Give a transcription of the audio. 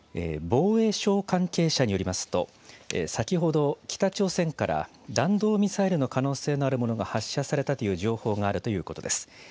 防衛省関係者によりますと、先ほど、北朝鮮から弾道ミサイルの可能性のあるものが発射されたという情報があるということです。